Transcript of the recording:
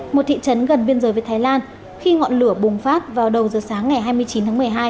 một thị trấn gần biên giới với thái lan khi ngọn lửa bùng phát vào đầu giờ sáng ngày hai mươi chín tháng một mươi hai